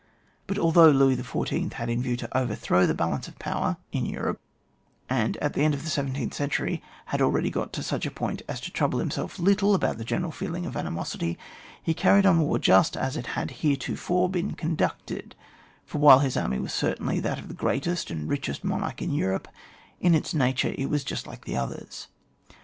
But although Louis XiV. had in view to overthrow the balance of power in Europe, and at the end of the seventeenth century had already got to such a point as to trouble himself little about the general feeling of animosity, he carried on war just as it had heretofore been conducted ; for while his army was cer tainly that of the greatest and richest monarch in Europe, in its nature it was just like others.